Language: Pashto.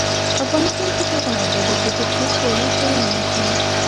افغانستان تر هغو نه ابادیږي، ترڅو سیالي سالمه نشي.